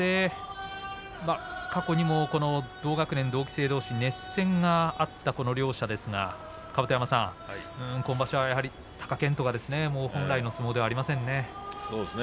過去にも同学年、同期生どうし熱戦があった両力士ですが今場所は貴健斗が本来の相撲ではありませんね。